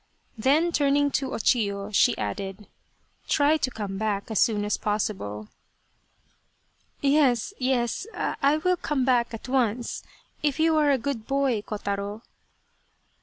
Then, turning to O Chiyo, she added " Try to come back as soon as possible." " Yes, yes, I will come back at once, if you are a good boy, Kotaro."